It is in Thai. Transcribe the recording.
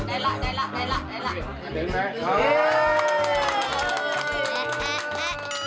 เต็มไหม